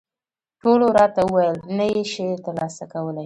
ټولو راته وویل، نه یې شې ترلاسه کولای.